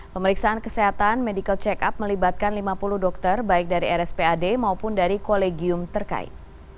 pemeriksaan kesehatan medical check up melibatkan lima puluh dokter baik dari rspad maupun dari kolegium terkait